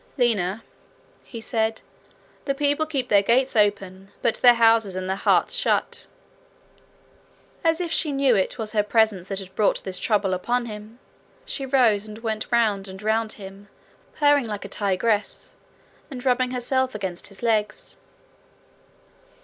'Lina,' he said, 'the people keep their gates open, but their houses and their hearts shut.' As if she knew it was her presence that had brought this trouble upon him, she rose and went round and round him, purring like a tigress, and rubbing herself against his legs.